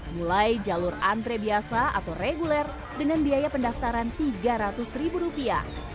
mulai jalur antre biasa atau reguler dengan biaya pendaftaran tiga ratus ribu rupiah